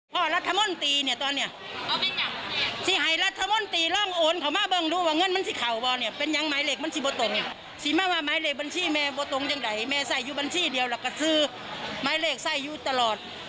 พ่อรัฐมนตรีเนี่ยตอนเนี่ยสิหายรัฐมนตรีลองโอนเขามาบ้างดูว่าเงินมันสิเขาป่าวเนี่ยเป็นยังไม้เหล็กมันสิบ่ตรงสิมาว่าไม้เหล็กบัญชีแม่บ่ตรงจังไหนแม่ใส่อยู่บัญชีเดียวล่ะก็ซื้อไม้เหล็กใส่อยู่ตลอด